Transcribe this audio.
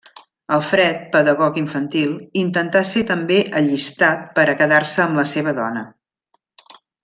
Alfred, pedagog infantil, intentà ser també allistat per a quedar-se amb la seva dona.